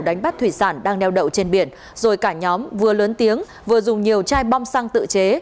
đánh bắt thủy sản đang neo đậu trên biển rồi cả nhóm vừa lớn tiếng vừa dùng nhiều chai bom xăng tự chế